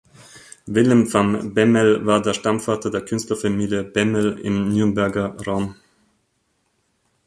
Willem van Bemmel war der Stammvater der Künstlerfamilie Bemmel im Nürnberger Raum.